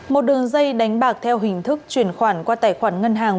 một đường dây đánh bạc theo hình thức chuyển khoản qua tài khoản ngân hàng